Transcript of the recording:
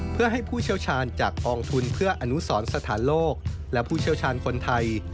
เพื่อให้ผู้เชี่ยวชาญจากกองทุนเพื่ออนุสรสถานโลกและผู้เชี่ยวชาญคนไทย